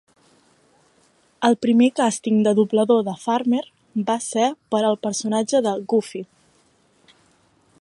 El primer càsting de doblador de Farmer va ser per al personatge de Goofy.